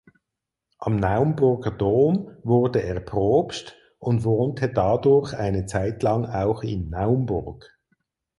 Am Naumburger Dom wurde er Propst und wohnte dadurch eine Zeitlang auch in Naumburg.